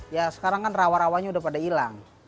ya sekarang kan rawa rawanya udah pada hilang